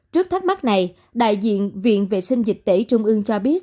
trước thắc mắc này đại diện viện vệ sinh dịch tễ trung ương cho biết